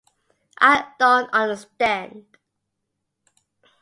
میں اہم کردار ادا کیا ہے